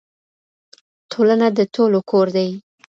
ټولنه د ټولو کور دی.